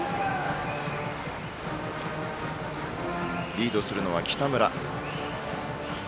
リードするのは北村。